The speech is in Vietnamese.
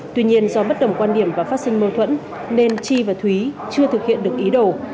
tuy nhiên do bất đồng quan điểm và phát sinh mâu thuẫn nên chi và thúy chưa thực hiện được ý đồ